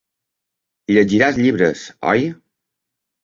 Llegiràs llibres, oi?